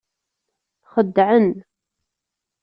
Xeddɛen.